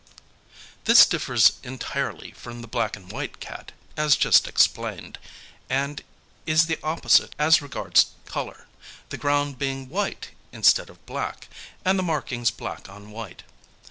This differs entirely from the black and white cat, as just explained, and is the opposite as regards colour, the ground being white instead of black, and the markings black on white.